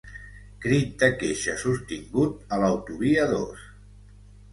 Crit de queixa sostingut a l'autovia dos.